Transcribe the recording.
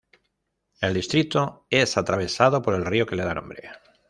El distrito es atravesado por el río que le da nombre.